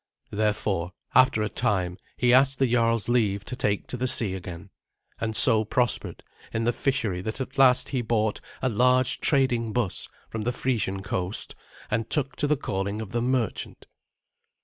Therefore, after a time, he asked the jarl's leave to take to the sea again, and so prospered in the fishery that at last he bought a large trading buss from the Frisian coast, and took to the calling of the merchant.